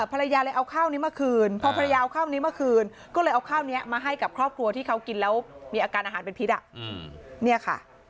ภรรยาเลยเอาข้าวนี้มาคืนพอภรรยาเอาข้าวนี้มาคืนก็เลยเอาข้าวนี้มาให้กับครอบครัวที่เขากินแล้วมีอาการอาหารเป็นพิษเนี่ยค่ะ